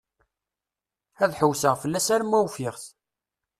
Ad ḥewseɣ fell-as arma ufiɣ-t.